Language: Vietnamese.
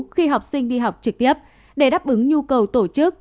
khi học sinh đi học trực tiếp để đáp ứng nhu cầu tổ chức